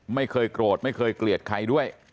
ไม่เคยโกรธไม่เคยเกลียดใครด้วย